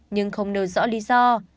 nhưng không nêu rõ lý do